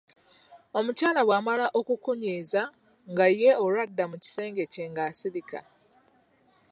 "Omukyala bw'amala okukunyiiza, nga ye olwo adda mu kisenge kye nga asirika."